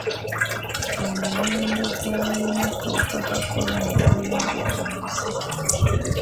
Omuwendo gw'abalina akawuka ka kolona gweyongera mu nsi.